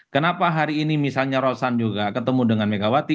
kenapa hari ini misalnya rosan juga ketemu dengan megawati